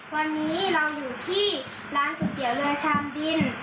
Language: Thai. วันนี้เราอยู่ที่ร้านก๋วยเตี๋ยวเรือชามดิน